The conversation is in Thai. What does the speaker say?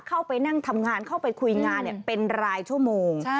เข้าไปนั่งทำงานเข้าไปคุยงานเป็นรายชั่วโมง